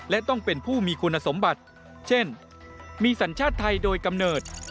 และต้องเป็นผู้มีคุณสมบัติเช่นมีสัญชาติไทยโดยกำเนิด